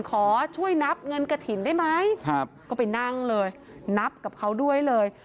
ขอช่วยนับเงินกระถิ่นได้ไหมก็ไปนั่งเลยนับกับเขาด้วยเลย